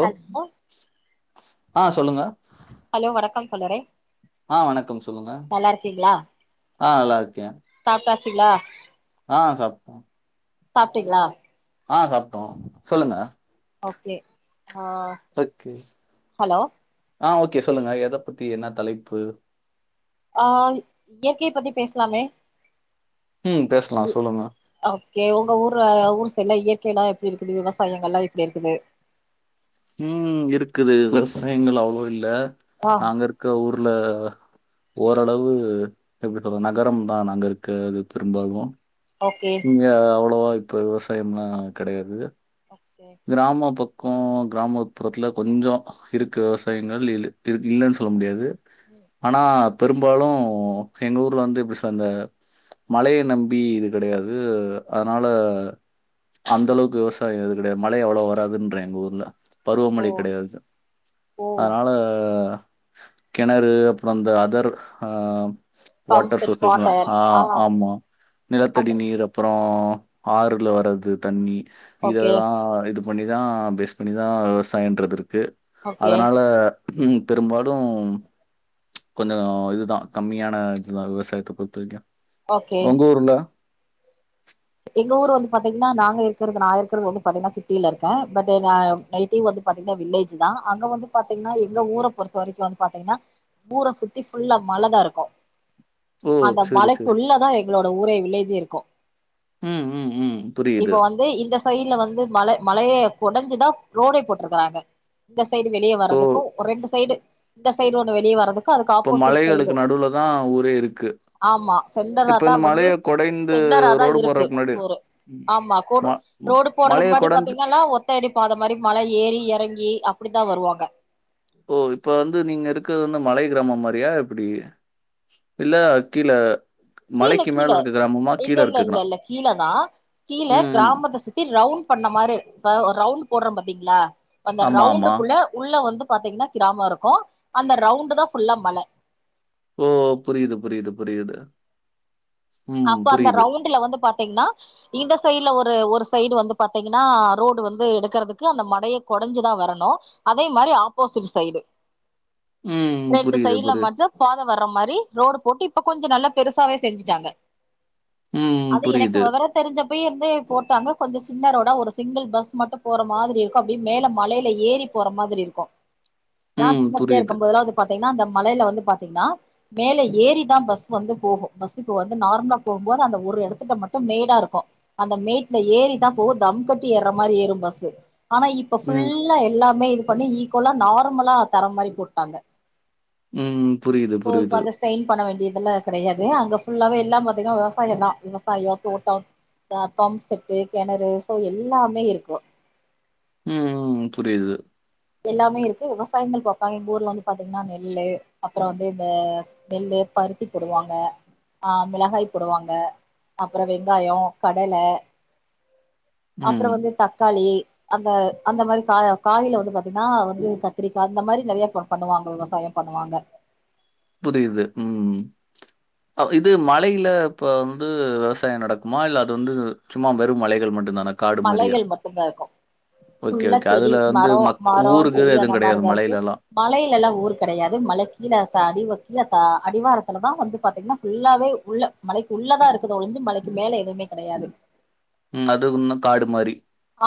Hello hello ஆ சொல்லுங்க hello வணக்கம் தோழரே ஆ வணக்கம் சொல்லுங்க நல்லா இருக்கீங்களா ஆ நல்லாருகே சாப்ட்டாச்சுங்களா ஆ சாப்டே சாப்ட்டீங்களா ஆ சாப்ட்டோம் சொல்லுங்க ஒகே ஆ ஒகே ஹலோ ஆ ஓகே சொல்லுங்க எத பத்தி என்ன தலைப்பு ஆ இயற்கைய பத்தி பேசலாமே ம் பேசலாம் சொல்லுங்க ஒகே உங்க ஊர் ஊர் சைட்ல இயற்கை எல்லா எப்டி இருக்குது விவசாயங்கள்லாம் எப்டி இருக்குது உம் இருக்குது விவசாயங்கள் அவ்ள இல்ல ஆ நாங்க இருக்க ஊர்ல ஓரளவு எப்டி சொல்ல நகரம் தா நாங்க இருக்கறது பெரும்பாலும் ஒகே இங்க அவ்ளவா இப்ப விவசாயம்லாம் கடயாது ஒகே கிராம பக்கம் கிராமப்புறத்துல கொஞ்ச இருக்கு விவசாயங்கள் இல் இருக் இல்லன்னு சொல்ல முடியாது ம் ஆனா பெரும்பாலும் எங்க ஊர்ல வந்து இப்டி சந்த மழைய நம்பி இது கடையாது அதனால அந்த அளவுக்கு விவசாயம் எது கடயாது மழ அவ்ளவு வராதுன்ற எங்க ஊர்ல ஓ பருவமழை கடயாதுச் ஓ அதனால கிணறு அப்ரோ அந்த அதர் ஆ பம்ப் வாட்டர் செட் சோர்சஸ்லா வாட்டர் ஆ ஆமா நிலத்தடி அந்த நீர் அப் பறம் ஆறுல வர்து தண்ணி ஓகே இதெல்லா இது பண்ணிதா பேஸ் பண்ணிதா விவசாயன்றது இருக்கு ஓகே அதனால உம் பெரும்பாலும் கொஞ்சம் இதுதா கம்மியான இதுதா விவசாயத்த பொருத்த வரைக்கு ஓகே உங்க ஊர்ல எங்க ஊர் வந்து பாத்தீங்கன்னா நாங்க இருக்கறது நா இருக்கறது வந்து பாத்தீங்கன்னா சிட்டில இருக்கேன் பட் நேடிவ் வந்து பாத்தீங்கன்னா வில்லேஜ் தா அங்க வந்து பாத்தீங்கன்னா எங்க ஊர பொறுத்த வரைக்கு வந்து பாத்தீங்கன்னா ஊர சுத்தி ஃபுல்லா மலதா இருக்கு ஓ! அந்த சரி, சரி. மலைக்குள்ளதா எங்களோட ஊரே வில்லேஜே இருக்கூ ம் ம் ம் இப்ப புரியுது. வந்து இந்த சைட்ல வந்து மல மலய கொடஞ்சுதா ரோடே போட்டிருக்கறாங்க இந்த சைடு வெளியே இப்போ வரதுக்கூ ரெண்டு சைடு இந்த சைடு ஒண்ணு வெளிய வரதுக் இப்போ மலைகளுக்கு நடுவுல தான் ஊரே இருக்கு ஆமா சென்டரா இப்ப தா இந்த வந்து மலைய கொடைந்து சென்டரா தா ரோடு இருக்கு போடுறதுக்கு முன்னாடி ஊரு ம், ஆமா ம கோடு ம் ரோடு போறதுக்கு மலைய முன்னாடி கொடைஞ்சு பாத்தீங்கல்லா ஒத்தயடி பாத மாரி மல ஏறி எறங்கி அப்பிடிதா வருவாங்க ஓ இப்ப வந்து நீங்க இருக்கது வந்து மலை கிராமம் மாரியா எப்டி இல்ல கீல கீழ கீழ இல்ல இல்ல இருக்குனா? இல்ல இல்ல கீழதா கீழ ம். கிராமத்த சுத் த்தி ரவுண்ட் பண்ண மாரி ப்ப ஒரு ரவுண்ட் போட்ற பாத்தீங்ளா அந்த ஆமா, ஆமா. ரவுண்டுக்குள்ள உள்ள வந்து பாத்தீங்ன்னா கிராமொ இருக்கூ அந்த ரவுண்டு தா ஃபுல்லா மல ஓ புரியிது புரியிது புரியிது அப்ப அந்த ரவுண்டுல வந்து பாத்தீங்ன்னா இந்த சைட்ல ஒரு ஒரு சைடு வந்து பார்த்தீங்கன்னா ரோடு வந்து எடுக்கறதுக்கு அந்த மலய கொடஞ்சுதா வரணு அதே மாரி ஆப்போசிட் சைடு ம். ரெண்டு புரியுது, சைட்ல புரியுது. மட்டு பாத வர்ற மாரி ரோடு போட்டு இப்ப கொஞ்ச நல்லா பெருசாவே செஞ்சுட்டாங்க ம். அது எனக்கு புரியுது. வெவரோ தெரிஞ்சப்பயேருந்து போட்டாங்க கொஞ்ச சின்னரோடா ஒரு சிங்கிள் பஸ் மட்டு போற மாரி இருக்கூ அப்டி மேல மலையில ஏறி போற மாதிரி இருக்கூ நா ம். சின்ன பிள்ளையா புரியுது. இருக்கும் போதெல்லா பாத்தீங்ன்னா அந்த மலைல வந்து பாத்தீங்ன்னா மேல ஏறிதான் பஸ் வந்து போகு பஸ்க்கு வந்து து நார்மலா போகும்போது அந்த ஒரு எடத்திட்ட மட்டு மேடா இருக்கூ அந்த மேட்ல ஏறிதா போகு தம் கட்டி ஏற மாரி ஏறும் பஸ்ஸு ஆனா இப் இப்ப ம். ஃபுல்லா எல்லாமே இது பண்ணி ஈக்குவலா நார்மலா தர மாரி போட்டாங்க ம் புரியுது புரியுது ஸ்டெய்ன் பண்ண வேண்டியதெல்லா கெடையாது அங்க ஃபுல்லாவே எல்லாம் பாத்தீங்ன்னா விவசாயந்தா விவசாயொ தோட்டம் அ பம் செட்டு கெணறு சோ எல்லாமே இருக்கூ ம் புரியுது எல்லாமே இருக்கு விவசாயங்கள் பாப்பாங்க எங்க ஊர்ல வந்து பாத்தீங்ன்னா நெல்லு அப்பறம் வந்து இந்த நெல்லு பருத்தி போடுவாங்க ஆ மிளகாய் போடுவாங்க அப்பறம் வெங்காயொ கடல ம். அப்பறம் வந்து தக்காளி அந்த அந்த மாரி கா காயில வந்து பாத் திங்ன்னா வந்து கத்திரிக்கா அந்த மாரி நெறையா பண்ணுவாங்க விவசாயம் பண்ணுவாங்க புரியுது ம் இது மலையில ப்ப வந்து விவசாயம் நடக்குமா இல்ல அது வந்து சும்மா வெறும் மலைகள் மட்டு தானா காடு மாரியா? மலைகள் மட்டுந்தா இருக்கூ ஓகே, ஃபுல்லா ஓகே. செடி அதுல வந்து மரொ மக் மரொ ஊரு கீரு செடி அந்த எதுவும் கெடையாது மாரிதா இருக்கு மலையிலலாம். மழையில எல்லா ஊர் கெடையாது மழை கீழ அடிவ கீழ தா அடிவாரத்துல தா வந்து பாத்தீங்கன்னா ஃபுல்லாவே உள்ள மலைக்கு உள்ளதா இருக்குதே ஒழிஞ்சு மலைக்கு மேல எதுவுமே கெடையாது ம் அது உன்னு காடு மாறி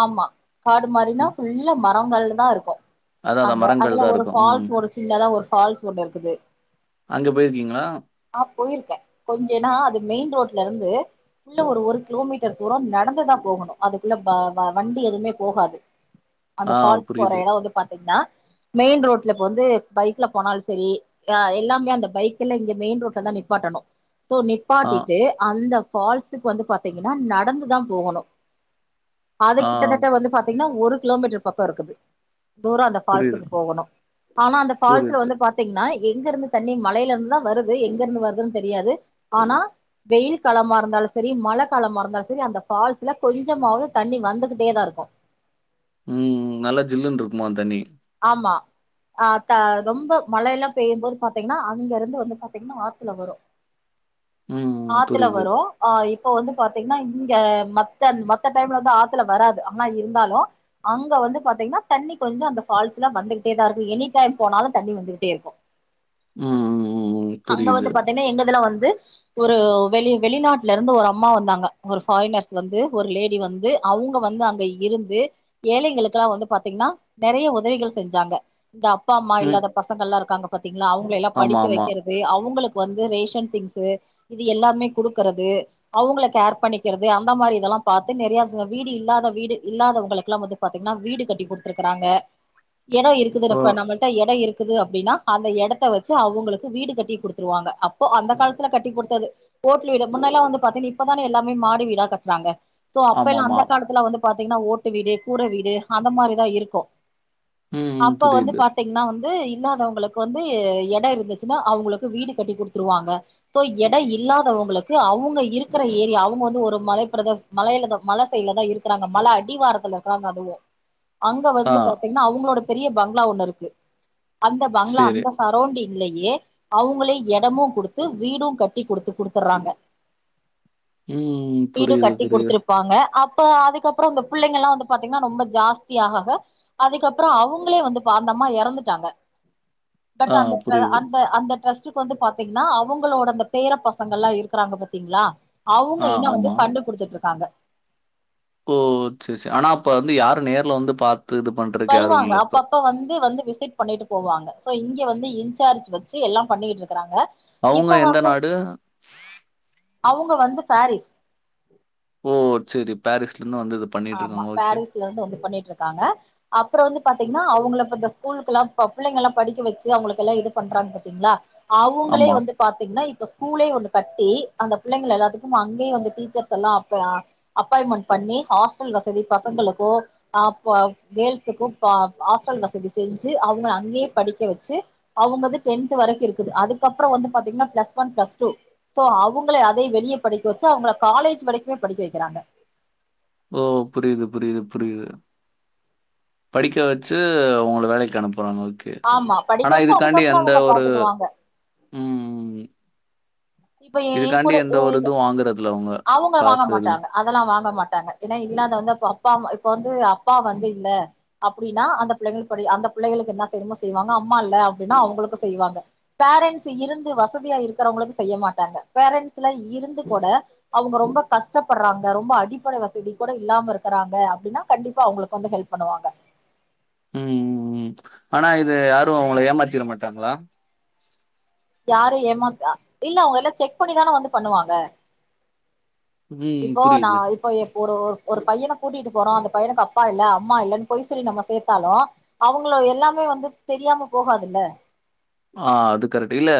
ஆமா காடு மாரினா ஃபுல்லா மரங்கள் தா இருக்கூ அதான் அதான் அங்க மரங்கள் அதுல தான் ஒரு இருக்கும். ம். ஃபால்ஸ் ஒரு சின்னதா ஒரு ஃபால்ஸ் ஒன்னு இருக்குது அங்க பேயிருக்கீங்களா ஆ போயிருக்கே கொஞ்சனா அது மெயின் ரோட்லருந்து உள்ள ஒரு ஒரு கிலோமீட்டர் தூரம் நடந்துதா போகணு அதுக்குள்ள வ வண்டி எதுவுமே போகாது அந்த ஆ ஃபால்ஸ் போற புரியுது. எடவந்து பாத்தீங்ன்னா மெயின் ரோட்ல ப்ப வந்து பைக்ல போனாலு சரி அ எல்லாமே அந்த பைக் எல்லா இங்க மெயின் ரோட்ல தா நிப்பாட்டணு சோ நி ஆ, ப்பாட்டிட்டு அந்த ஃபால்ஸுக்கு வந்து பாத்தீங்கன்னா நடந்துதா போகணு அது ஆ கிட்டத்தட்ட வந்து பாத்தீங்னா ஒரு கிலோமீட்டர் பக்கோ இருக்குது தூர அந்த புரியுது, ஃபால்ஸுக்கு போகணு ஆனா அந்த ஃபால்ஸ்ல புரியுது. வந்து பா த்தீங்னா எங்க இருந்து தண்ணி மலைல இருந்துதா வருது எங்க இருந்து வருதுன்னு தெரியாது ஆனா வெயில் காலமா இருந்தாலு சேரி மழ காலமா இருந்தாலு சேரி அந்த ஃபால்ஸ்ல கொஞ்சமாவது தண்ணி வந்துகிட்டே தா இருக்கு ம் நல்லா ஜில்லுன்ருக்குமா அந்த தண்ணி ஆமா ஆ த ரொம்ப மழ எல்லா பெய்யும்போது பாத்தீங்னா அங்க இருந்து வந்து பாத்தீங்னா ஆத்துல வரு ம், ம். ஆத்துல புரியுது. வரு ஆ இப்போ வந்து பாத்தீங்னா இங்க மத்த மத்த டைம்ல வந்து ஆத்துல வராது ஆனா இருந்தாலு அங்க வந்து பாத்தீங்னா தண்ணி கொஞ்சோ அந்த ஃபால்ஸ்ல வந்துகிட்டே தா இருக்கு எனி டைம் போனாலு தண்ணி வந்துகிட்டே இருக்கு ம் ம் ம் புரியுது ஏனா எங்கதுலா வந்து ஒரு வெளி வெளிநாட்ல இருந்து ஒரு அம்மா வந்தாங்க ஒரு ஃபாரினர்ஸ் வந்து ஒரு லேடி வந்து அவுங்க வந்து அங்க இருந்து ஏழைகளுக்குல்லா வந்து பாத்தீங்னா நெறைய உ உதவிகள் செஞ்சாங்க இந்த அப்பா அம்மா ம். இல்லாத பசங்கள்லா இருக்காங்க பாத்தீங்ளா அவங்க எல்லா ஆமா, படிக்க ஆமா. வைக்கிற அவங்களுக்கு வந்து ரேஷன் திங்ஸ்ஸு இது எல்லாமே குடுக்கறது அவங்கள கேர் பண்ணிக்கிறது அந்த மாரி இதெல்லா பாத்து நெறைய வீடு இல்லாத வீடு இல்லாதவங்களுக்லா வந்து பாத்தீங்னா வீடு கட்டி குடுத்துருக்றாங்க எடோ இருக்குது ஓ! இப்ப நம்ம கிட்ட எடம் இருக்குது அப்டினா அந்த எடத்த வச்சு அவுங்களுக்கு வீடு கட்டி குடுத்துருவாங்க அப்போ அந்த காலத்துல கட்டி குடுத்தது ஓட்டு வீடு முன்னெல்லா வந்து பாத்தீங்க இப்பதான எல்லாமே மாடி வீடா கட்றாங்க சோ அப்ப எல்லா ஆமாமா. அந்த காலத்துல வந்து பாத்தீங்னா ஓட்டு வீடு, கூர வீடு அந்த மாரிதா இருக்கு ம், ம். அப்ப வந்து புரியுது. பாத் தீங்னா வந்து இல்லாதவங்களுக்கு வந்து எட இருந்துச்சுன்னா அவங்களுக்கு வீடு கட்டி குடுத்துருவாங்க சோ எட இல்லாதவங்களுக்கு அவங்க இருக்கற ஏரியா அவங்க வந்து ஒரு மலை பிரதேச மலைல தா மல சைடுலதா இருக்கறாங்க மல அடிவாரத்துல இருக்கறாங்க அதுவு அங்க ஆ, வந்து பாத்தீங்னா அவங்களோட பெரிய பங்களா ஒண்ணு இருக்கு அந்த பங்களா சரி. அந்த சரவுண்டிங்லேயே அவங்ளே எடமு குடுத்து வீடு கட்டி குடுத்து குடுத்துட்றாங்க ம். வீடு புரியுது, கட்டி புரியுது. குடுத்துரு வாங்க அப்ப அதுக்கப்பறோ இந்த பிள்ளைங்கல்லா வந்து பாத்தீங்னா ரொம்ப ஜாஸ்தி ஆக ஆக அதுக்கப்றோ அவங்களே வந்து பா அந்தம்மா எறந்துட்டாங்க பட் ஆ, அந்த ட்ர புரியுது. அந்த அந்த ட்ரஸ்ட் க்கு வந்து பாத்தீங்னா அவங்களோட அந்த பேரப் பசங்கல்லா இருக்கறாங்க பாத்தீங்ளா அவங்க ஆ, இன்னு வந்து ஆமா. ஃபண்டு குடுத்துட்டு இருக்காங்க ஓ சேரி சேரி ஆனா இப்ப வந்து யாரு நேர்ல வந்து பாத் து இது பண்ற வருவாங்க அப்பப்ப வந்து வந்து விசிட் பண்ணிட்டு போவாங்க சோ இங்க வந்து இன்சார்ஜ் வச்சு எல்லா பண்ணிகிட் இருக்கறாங்க அவங்க இப்ப எந்த வந்து நாடு? அவுங்க வந்து ஃபாரிஸ் ஓ சேரி பாரீஸ்லந்து வந்து இது ஆமா பண்ணிட்டுருக்காங்க. ஓகே. பாரீஸ்லருந்து வந்து பண்ணிட்டுருக்காங்க அப்பறோ வந்து பாத்தீங்கன்னா அவங்கள இப்ப இந்த ஸ்கூலுக்குலா ப பிள்ளைங்கல்லா படிக்க வச்சு அவங்களுக்கெல்லா இது பண்றாங்க பாத்தீங்ளா அவுங்களே ஆமா. வந்து பாத்தீங்னா இப்ப ஸ்கூலே ஒண்ணு கட்டி அந்த பிள்ளைங்கள எல்லாத்துக்கு அங்கயே வந்து டீச்சர்ஸ் எல்லா அப்ப அப்பாயின்மெண்ட் பண்ணி ஹாஸ்டல் வசதி பசங்களுக்கு அ ப கேர்ள்ஸுக்கு பா ஹாஸ்டல் வசதி செஞ்சு அவங்கள அங்கயே படிக்க வச்சு அவங்கது டென்த் வரைக்கு இருக்குது அதுக்கப்பறோ வந்து பாத்தீங்கன்னா plus one plus two so அவங்கள அதயு வெளிய படிக்க வச்சு அவங்கள காலேஜ் வரைக்குமே படிக்க வைக்கிறாங்க ஓ புரிது புரிது புரிது படிக்க வச்சு ஒங்கள வேலைக்கு அனுப்புறாங்க ஓக் கே ஆமா படிக்க ஆனா வச்சுட்டு இதுக்காண்டி அதுக்கப்புறோ எந்த அவங்க ஒரு பாத்துக்குவாங்க ம் ம் இப்ப ஏ இதுக்காண்டி கூட எந்த ஒரு இதுவு வாங்குறதுல்ல அவங்க வாங்க காசு எது மாட்டாங்க அதெல்லா வாங்க மாட்டாங்க ஏனா இல்லாதவந்த இப்ப அப்பா அம்மா இப்ப வந்து அப்பா வந்து இல்ல அப்டின்னா அந்த புள்ளைங்களுக்கு படி அந்த புள்ளைகளுக்கு என்ன செய்யனுமோ செய்வாங்க அம்மா இல்ல அப்டின்னா அவங்களுக்கு செய்வாங்க பேரண்ட்ஸ் இருந்து வசதியா இருக்கறவங்களுக்கு செய்ய மாட்டாங்க பேரண்ஸ்லா இருந்து கூட அவுங்க ரொம்ப கஷ்டப்படுறாங்க ரொம்ப அடிப்பட வசதி கூட இல்லாம இருக்கறாங்க அப்டின்னா கண்டிப்பா அவங்களுக்கு வந்து ஹெல்ப் பண்ணுவாங்க ம் ம் ம் ஆனா இது யாரு அவங்கள ஏமாத்திட மாட்டாங்களா யாரு ஏமாத் அ இல்ல அவங்க எல்லா செக் பண்ணிதான வந்து பண்ணுவாங்க ம். இப்போ நா புரியுது. இப்போ எப் ஒரு ஒரு ஒரு பையன கூட்டிகிட்டு போறோ அந்த பையனுக்கு அப்பா இல்ல அம்மா இல்லன்னு பொய் சொல்லி நம்ம சேத்தாலு அவுங்கள எல்லாமே வந்து தெரியாம போகாதுல்ல ஆ அது கரெக்ட் இல்ல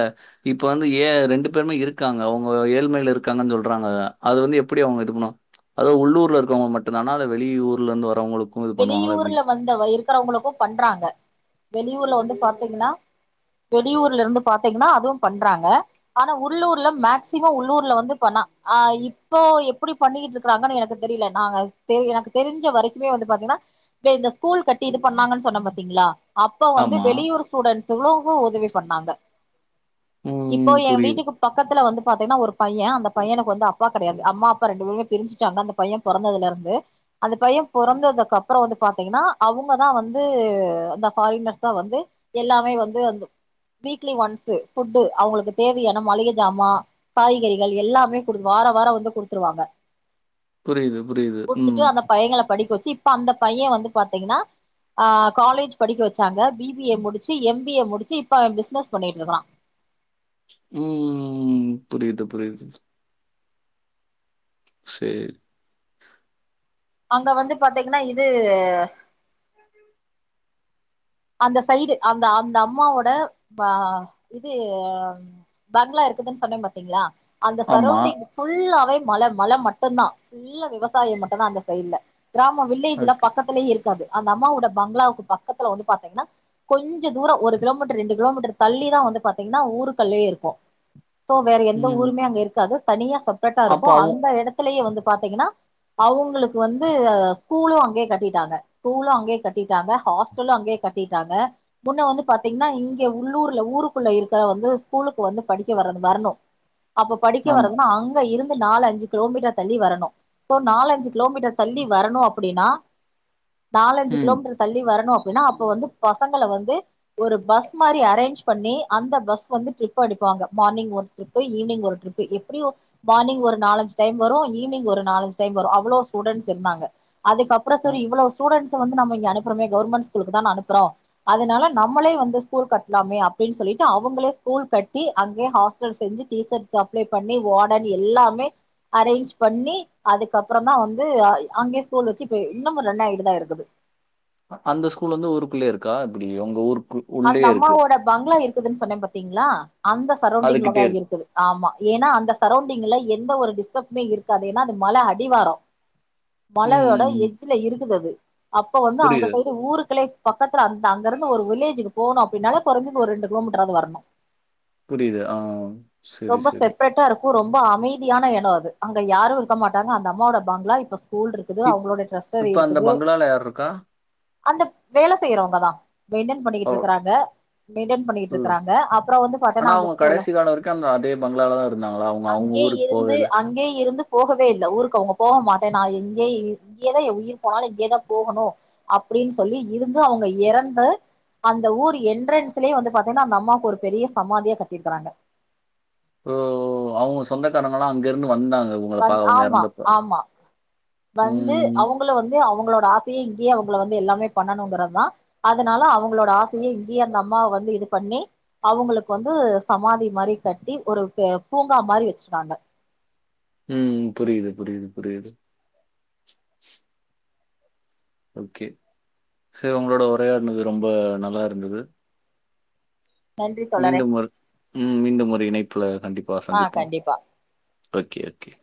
இப்ப வந்து ஏ ரெண்டு பேருமே இருக்காங்க அவங்க ஏழ்மையில இருக் காங்கன் சொல்றாங்க அது வந்து எப்டி அவங்க இது பண்ணுவாங் அது உள்ளூர்ல இருக்கவங்களுக் மட்டுந்தானா இல்ல வெளியூர்லருந்து வரவங்களுக் வெளியூர்ல வந்த வ இருக்கறவங்களுக்கு பண்றாங்க வெளியூர்ல வந்து பாத்தீங்கனா வெடியூர்ல இருந்து பாத்தீங்கன்னா அதுவும் பண்றாங்க ஆனா உள்ளூர்ல மேக்சிமோ உள்ளூர்ல வந்துப்பணா ஆ இப்போ எப்புடி பண்ணிகிட்ருக் க்றாங்கன் எனக்கு தெரில நாங்க தெரு எனக்கு தெரிஞ்ச வரைக்குமே வந்து து பாத்தீங்ன்னா தெ இந்த ஸ்கூல் கட்டி இது பண்ணாங்கன்னு சொன்ன பாத்தீங்களா அப்ப வந்து ஆமா. வெளியூர் ஸ்டுடென்ட்ஸூகுளுக் உதவி பண்ணாங்க இப்போ ம். எ புரியுது. வீட்டுக்கு பக்கத்துல வந்து பாத்தீங்கன்னா ஒரு பைய அந்த பையனுக்கு வந்து அப்பா கெடையாது அம்மா அப்பா ரெண்டு பேருமே பிரிஞ்சுட்டாங்க அந்த பைய பொறந்ததுலருந்து அந்த பைய பொறந்ததுக் கப்பறோ வந்து பாத்தீங்கன்னா அவங்கதா வந்து அந்த ஃபாரினர்ஸ்தா வந்து எல்லாமே வந்து அந்த வீக்லி ஒன்ஸு ஃபுட்டு அவங்களுக்கு தேவயான மளிக ஜாமா காய்கறிகள் எல்லாமே குடுது வாரொ வார வந்து குடுத்துருவாங்க புரிது புரிது குடுத்துட்டு ம் அந்த பையங்கள படிக்க வச்சு இப்ப அந்த பைய வந்து பாத்தீங்கன்னா ஆ காலேஜ் படிக்க வச்சாங்க பி பி ஏ முடிச்சு எம் பி ஏ முடிச்சு இப்ப அவெ பிசினஸ் பண்ணிட்டுருக்கறா ம் ம் ம் புரிது புரிது சேரி அங்க வந்து பாத்தீங்கன்னா இது அந்த சைடு அந்த அந்த அம்மாவோட ப இது பங்ளா இருக்குதுன் சொன்னே பாத்தீங்ளா அந்த ஆமா. சரவுண்டிங் ஃபுல்லாவே மல மல மட்டுந்தா ஃபுல்லா விவசாயொ மட்டுந்தா அந்த சைட்ல கிராமொ வில்லேஜ்லா ஓகே. பக்கத்துலேயே இருக்காது அந்த அம்மாவோட பங்களாவுக்கு பக்கத்துல வந்து பாத்தீங்கன்னா கொஞ்சொ தூரொ ஒரு கிலோமீட்டர் ரெண்டு கிலோமீட்டர் தள்ளிதா வந்து பாத்தீங்கன்னா ஊருகளே இருக்கு சோ வேற எந்த ம். ஊருமே அங்க இருக்காது தனியா செப்ரேட்டா அப்ப இருக்கு அவ் அந்த எடத்துலயே வந்து பாத்தீங்கன்னா அவுங்களுக்கு வந்து ஸ்கூலு அங்கே கட்டிட்டாங்க ஸ்கூலு அங்கே கட்டிட்டாங்க ஹாஸ்டலு அங்கே கட்டிட்டாங்க முன்ன வந்து பாத்தீங்ன்னா இங்க உள்ளூர்ல ஊருக்குள்ள இருக்கிற வந்து ஸ்கூலுக்கு வந்து படிக்க வரது வரணு அப்ப படிக்க ஆமா. வர்றதுன்னா அங்க இருந்து நாலு அஞ்சு கிலோமீட்டர் தள்ளி வரணு சோ நாலஞ்சு கிலோமீட்டர் தள்ளி வரணு அப்டின்னா நாலஞ்சு ம். கிலோமீட்டர் தள்ளி வரணு அப்டின்னா அப்ப வந்து பசங்கள வந்து ஒரு பஸ் மாரி அரேஞ்ச் பண்ணி அந்த பஸ் வந்து ட்ரிப் அடிப்பாங்க மார்னிங் ஒன் ட்ரிப்பு ஈவினிங் ஒரு ட்ரிப்பு எப்டியு மார்னிங் ஒரு நாலஞ்சு டைம் வரு ஈவினிங் ஒரு நாலஞ்சு டைம் வரு அவ்ளோ ஸ்டூடன்ஸ் இருந்தாங்க அதுக்கப் ப்றோ அ சார் இவ்வளோ ஸ்டூடென்ஸ்ஸ வந்து நம்ம இங்க அனுப்புறோமே கவர்ன்மென்ட் ஸ்கூலுக்கு தான அனுப்புறோ அதனால நம்மளே வந்து ஸ்கூல் கட்டலாமே அப்டின் சொல்லிட்டு அவங்களே ஸ்கூல் கட்டி அங்கே ஹாஸ் செ செஞ்சு டீஷர்ட் சப்ளை பண்ணி வாடன் எல்லாமே அரேஞ்ச் பண்ணி அதுக்கப்புறோ தா வந்து அங்கேயே ஸ்கூல் வச்சு போய் இன்னமு ரன் ஆய்ட்டு தா இருக்குது அந்த ஸ்கூல் வந்து ஊக்குள்ளோ இருக்கா எப்டி உங்க ஊருக்கு அந்த உள்ளயே இருக்கு. அம்மாவோட பங்களா இருக்குதுன் சொன்ன பாத்தீங்ளா அந்த சரௌண்டிங்லதா அதுகிட்டயே இருக்கு. இருக்குது ஆமா ஏனா அந்த சரௌண்டிங்ல எந்த ஒரு டிஸ்டர்ப்மே இருக்காது ஏனா அது மல அடிவாரோ மல ஓட ம். எஜ்ல இருக்குது அது அப்ப வந்து அந்த புரியுது, சைடு ஊருக்குள்ளே பக்கத்துல அந்த அங்க இருந்து ஒரு வில்லேஜுக்கு போணு அப்டின்னாலே கொறஞ்சது ஒரு ரெண்டு கிலோமீட்டர் ஆது வர்ணு புரியுது. ஆ. சரி, ரொம்ப சரி. செப்ரேட்டா இருக் கு ரொம்பா அமைதியான எடோ அது அங்க யாரு இருக்க மாட்டாங்க அந்த அம்மாவோட பங்ளா இப்ப ஸ்கூல் இருக்குது இப் அவங்களோட ட்ரஸ்சரி இப்ப அந்த இருக்குது பங்களால யார் இருக்கா? அந்த வேல செய்றவங்க தா மெயின்டன் ஓ பண்ணிக்கிட்டு இருக்குறாங்க மெயின்டன் பண்ணிட்டு ம். இருக்கறாங்க அப்றோ வந்து ஆனா பாத்தனா அந்த அவங்க ஸ்கூல கடைசி காலம் வரைக்கும் அந்த அதே பங்களால தான் இருந்தாங்களா? அவங்க அவங்க அங்கே ஊருக்கு போவே இருந்து இல்ல. அங்கே இருந்து போகவே இல்ல ஊருக்கு அவங்க போக மாட்ட நா இங்கேய இங்கேயே தா எ உயிர் போனாலு இங்கயே தா போகணு அப்டின் சொல்லி இருந்து அவங்க எறந்து அந்த ஊர் என்ட்ரன்ஸ்லே வந்து பாத்தீங்கனா அந்த அம்மாவுக்கு ஒரு பெரிய சமாதியா கட்டியிருக்குறாங்க ஓ அவங்க சொந்தக்காரங்கள்லா அங்க இருந்து வந்தாங்க உங்கள பா வந் அவங்க ஆமா இறந்தப்ப. ஆமா வந்து ம். அவங் வந்து‌ அவங்களோட ஆசையே இங்கேயே அவங்கள வந்து எல்லாமே பண்ணணுங்கறதா அதனால அவங்களோட ஆசையே இங்கயே அந்த அம்மாவ வந்து இது பண்ணி அவங்களுக்கு வந்து சமாதி மாரி கட்டி ஒரு பூங்கா மாரி வச்சிருக்காங்க ம் புரியுது புரியுது புரியுது ஓகே சரி உங்களோட உரையாடுனது ரொம்ப நல்லா இருந்தது நன்றி தோழரே மீண்டும் முற் ம் மீண்டும் ஒரு இணைப்புல கண்டிப்பா ஆ சந்திப்போ கண்டிப்பா ஓகே ஓகே